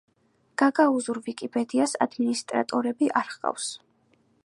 გაგაუზურ ვიკიპედიას ადმინისტრატორები არ ჰყავს.